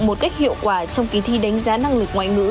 một cách hiệu quả trong kỳ thi đánh giá năng lực ngoại ngữ